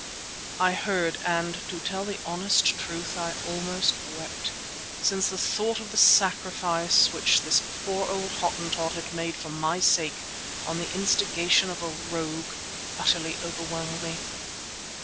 I heard and, to tell the honest truth, almost I wept, since the thought of the sacrifice which this poor old Hottentot had made for my sake on the instigation of a rogue utterly overwhelmed me.